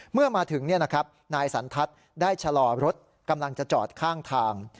เมื่อมาถึงนายสันทัศน์ได้ชะลอรถกำลังจะจอดข้างทาง